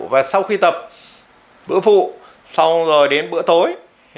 và sau khi tập bữa vụ xong rồi đến bữa tối